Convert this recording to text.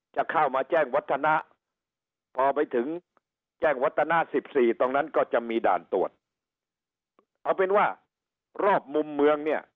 จะมีด่านตรวจเอาเป็นว่ารอบมุมเมืองเนี่ย